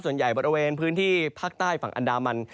ส่วนใหญ่บริเวณพื้นที่ภาคใต้ฝั่งอันดามัน